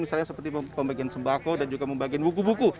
misalnya seperti membagikan sembako dan juga membagikan buku buku